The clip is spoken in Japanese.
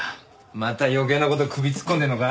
また余計な事首突っ込んでるのか？